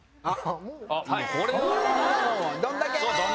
あっ！